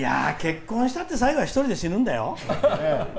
結婚したって最後は１人で死ぬんだよ。